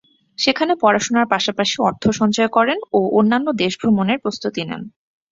সেখানে পড়াশোনার পাশাপাশি অর্থ সঞ্চয় করেন ও অন্যান্য দেশ ভ্রমণের প্রস্তুতি নেন।